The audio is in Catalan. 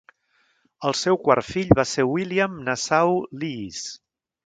El seu quart fill va ser William Nassau Lees.